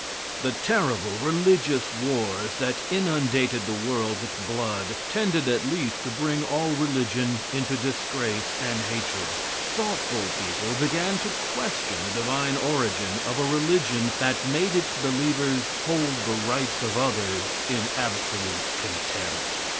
The terrible religious wars that inundated the world with blood tended at least to bring all religion into disgrace and hatred. Thoughtful people began to question the divine origin of a religion that made its believers hold the rights of others in absolute contempt.